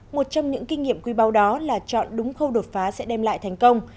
một trong những kinh nghiệm quý báo đó là chọn đúng khâu đột phá sẽ đem lại thành công